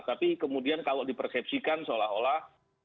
tapi kemudian kalau dipersepsikan seolah olah